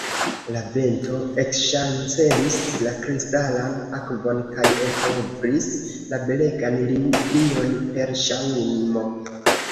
La vento ekŝancelis la kristalan akvon kaj enkovris la belegan lilion per ŝaŭmo.